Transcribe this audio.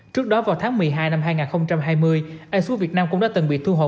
trước đó vào tháng một mươi hai năm hai nghìn hai mươi a súa việt nam cũng đã từng bị thu hồi